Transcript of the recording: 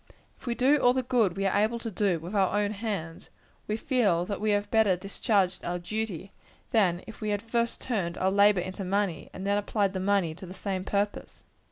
If we do all the good we are able to do, with our own hands, we feel that we have better discharged our duty, than if we had first turned our labor into money, and then applied the money to the same purpose.